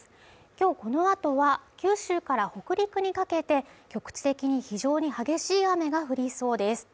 今日この後は、九州から北陸にかけて局地的に非常に激しい雨が降りそうです。